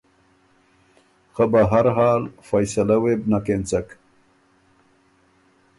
خه بهر حال فیصلۀ وې بو نک اېنڅک